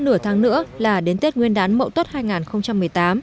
nửa tháng nữa là đến tết nguyên đán mậu tuất hai nghìn một mươi tám